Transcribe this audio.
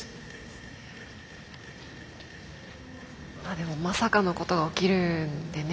でもまさかのことが起きるんでね。